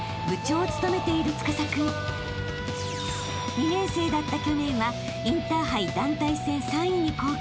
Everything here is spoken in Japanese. ［２年生だった去年はインターハイ団体戦３位に貢献］